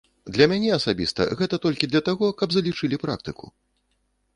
Для мяне асабіста гэта толькі для таго, каб залічылі практыку.